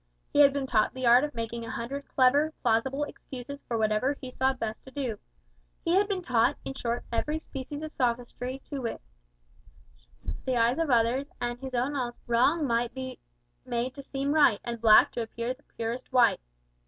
He had been taught the art of making a hundred clever, plausible excuses for whatever he saw best to do. He had been taught, in short, every species of sophistry by which, to the eyes of others, and to his own also, wrong might be made to seem right, and black to appear the purest white.